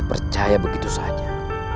dan percaya begitu saja